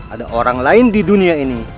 ada orang lain di dunia ini